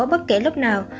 bất kể lúc nào